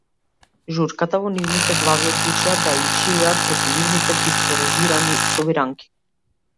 Журката во нивните глави одлучија да ја изживеат преку нивните дисторзирани собиранки.